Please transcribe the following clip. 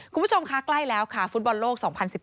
คุณผู้ชมคะใกล้แล้วค่ะฟุตบอลโลก๒๐๑๘